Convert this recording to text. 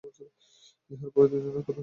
ইহার পরে দুইজনে আর কথা হইল না।